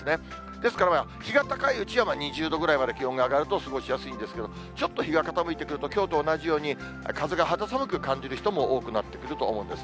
ですから日が高いうちは、２０度ぐらいまで気温が上がると過ごしやすいんですけど、ちょっと日が傾いてくると、きょうと同じように、風が肌寒く感じる人も多くなってくると思うんです。